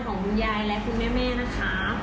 ของคุณยายและคุณแม่นะคะ